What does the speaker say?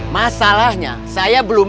masalahnya saya belum